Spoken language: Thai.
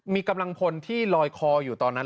มีกำลังพลที่ลอยคออยู่ตอนนั้น